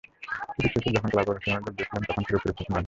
ছুটি শেষে যখন ক্লাবে অনুশীলনে যোগ দিয়েছিলেন, তখনো পুরোপুরি ফিট নন।